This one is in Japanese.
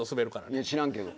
いや知らんけど。